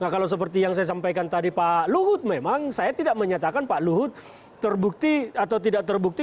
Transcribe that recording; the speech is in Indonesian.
kalau seperti yang saya sampaikan tadi pak luhut memang saya tidak menyatakan pak luhut terbukti atau tidak terbukti